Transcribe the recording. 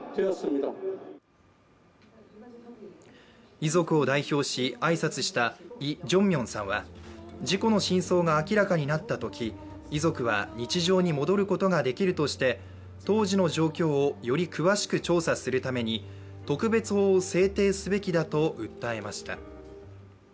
遺族を代表し、挨拶したイ・ジョンミンさんは事故の真相が明らかになったとき遺族は日常に戻ることができるとして当時の状況をより詳しく調査するために特別法を制定すべきだと訴えました。